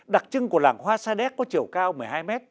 đặc trưng của làng hoa sa đéc có chiều cao một mươi hai m